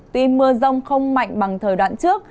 tuy mưa rông không mạnh bằng thời đoạn trước